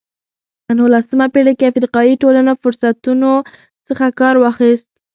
په نولسمه پېړۍ کې افریقایي ټولنو فرصتونو څخه کار واخیست.